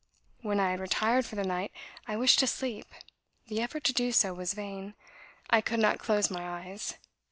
When I had retired for the night, I wished to sleep the effort to do so was vain. I could not close my eyes.